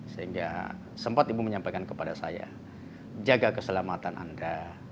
sehingga sempat ibu menyampaikan kepada saya jaga keselamatan anda